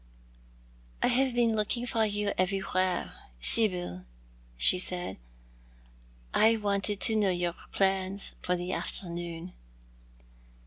" I have been looking for you everywhere, Sibyl," she said. " I wanted to know your plans for the afternoon."